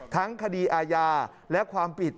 ทั้งคดีอาญาและความผิด